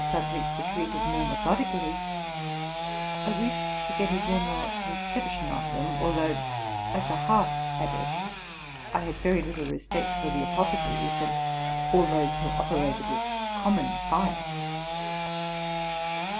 subjects were treated more methodically, I wished to get a general conception of them; although, as a half adept, I had very little respect for the apothecaries and all those who operated with common fire.